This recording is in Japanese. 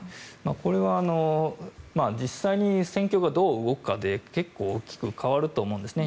これは実際に戦況がどう動くかで結構、大きく変わると思うんですね。